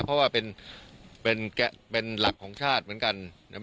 เพราะว่าเป็นหลักของชาติเหมือนกันนะครับ